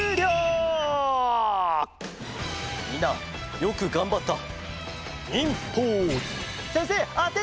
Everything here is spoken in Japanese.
みんなよくがんばった！